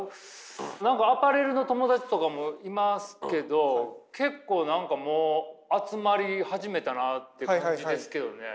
何かアパレルの友達とかもいますけど結構何かもう集まり始めたなっていう感じですけどね。